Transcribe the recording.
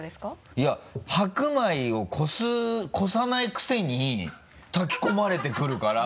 いや白米を越さないくせに炊き込まれてくるから。